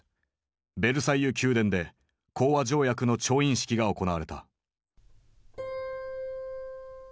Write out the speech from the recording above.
ベルサイユ宮殿で講和条約の調印式が行われた。